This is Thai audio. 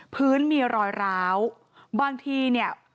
พื้นมีรอยร้าวบางทีเนี่ย